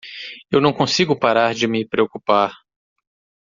Eu não consigo parar de me preocupar.